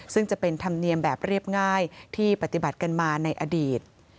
ซึ่งจะเป็นธรรมเนียมแบบเรียบง่ายที่ปฏิบัติกันมาในอดีต